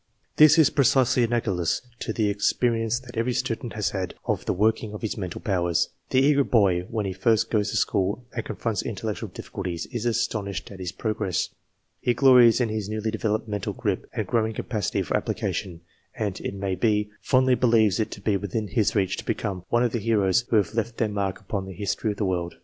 This is precisely analogous to the experience that every student has had of the working of his mental powers. The eager boy, when he first goes to school and confronts intellectual difficulties, is astonished at his progress. He glories in his newly developed mental grip and growing capacity for application, and, it may be, fondly believes it to be within his reach to become one of the heroes who have left their mark upon the history of the world.